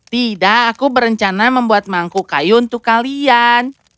tidak aku berencana membuat mangkuk kayu untuk kalian